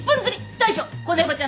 大将子猫ちゃん